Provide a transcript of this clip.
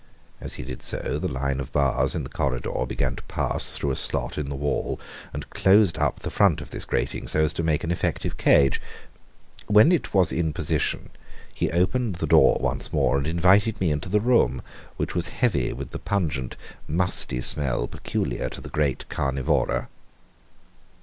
As he did so the line of bars in the corridor began to pass through a slot in the wall and closed up the front of this grating, so as to make an effective cage. When it was in position he opened the door once more and invited me into the room, which was heavy with the pungent, musty smell peculiar to the great carnivora.